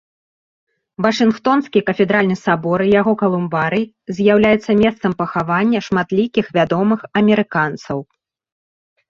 Вашынгтонскі кафедральны сабор і яго калумбарый з'яўляецца месцам пахавання шматлікіх вядомых амерыканцаў.